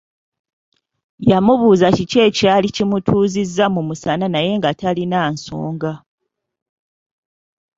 Yamubuuza kiki ekyali kimutuuzizza mu musana naye nga talina nsonga.